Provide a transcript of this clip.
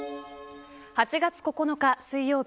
８月９日水曜日